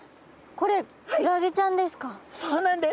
これそうなんです。